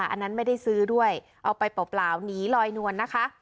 อันนั้นไม่ได้ซื้อด้วยเอาไปเปล่าหนีลอยนวลนะคะ